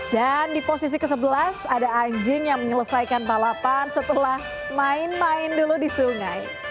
dan di posisi ke sebelas ada anjing yang menyelesaikan balapan setelah main main dulu di sungai